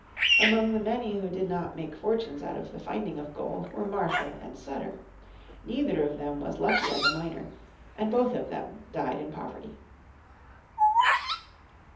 Among the many who did not make fortunes out of the finding of gold were Marshall and Sutter. Neither of them was lucky as a miner and both of them died in poverty.